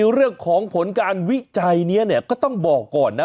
เรื่องของผลการวิจัยนี้เนี่ยก็ต้องบอกก่อนนะ